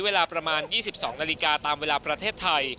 เวลาประมาณ๒๒นาฬิกาตามเวลาประเทศไทย